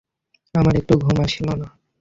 আমার একটুও ঘুম আসছিল না।